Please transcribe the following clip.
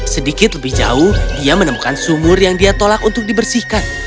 sedikit lebih jauh dia menemukan sumur yang dia tolak untuk dibersihkan